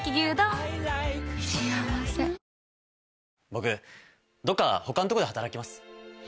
僕どっか他のとこで働きます。